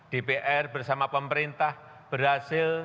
dpr bersama pemerintah berhasil